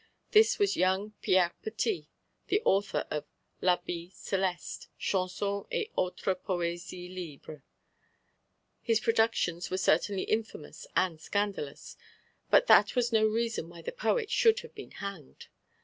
This was young Pierre Petit, the author of La B céleste, chansons et autres Poésies libres. His productions were certainly infamous and scandalous, but that was no reason why the poet should have been hanged.